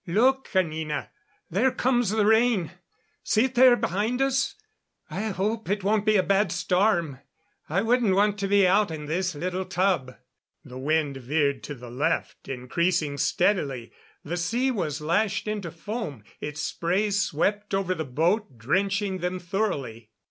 "Look, Anina there comes the rain! See it there behind us! I hope it won't be a bad storm. I wouldn't want to be out in this little tub." The wind veered to the left, increasing steadily. The sea was lashed into foam; its spray swept over the boat, drenching them thoroughly.